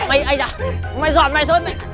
mày ây da mày dọn mày xuống